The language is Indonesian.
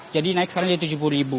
jadi naik sekarang jadi rp tujuh puluh